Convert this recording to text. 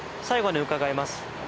最後に伺います